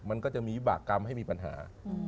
มันก็จะมีวิบากรรมให้มีปัญหา